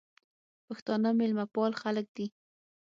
پښتانه مېلمپال خلک دي.